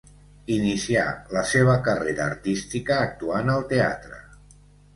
Inicià la seva carrera artística actuant al teatre.